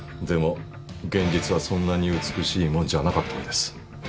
でも現実はそんなに美しいもんじゃなかったんです。